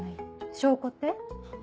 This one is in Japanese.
証拠って？